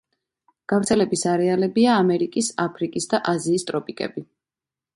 გავრცელების არეალებია ამერიკის, აფრიკის და აზიის ტროპიკები.